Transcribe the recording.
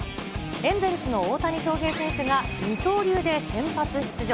エンゼルスの大谷翔平選手が、二刀流で先発出場。